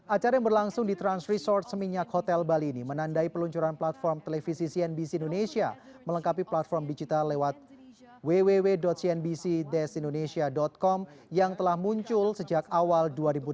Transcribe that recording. acara yang berlangsung di trans resort seminyak hotel bali ini menandai peluncuran platform televisi cnbc indonesia melengkapi platform digital lewat www cnbc indonesia com yang telah muncul sejak awal dua ribu delapan belas